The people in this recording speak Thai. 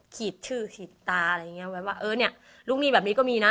ขีดชื่อขีดตาอะไรอย่างเงี้ไว้ว่าเออเนี่ยลูกหนี้แบบนี้ก็มีนะ